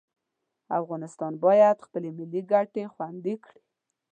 افغانستان باید خپلې ملي ګټې خوندي کړي.